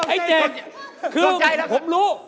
ไอ้๗คือผมรู้